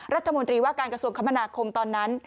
รัฐมนตรีว่าการกระทรวงคมนาคมตอนนั้น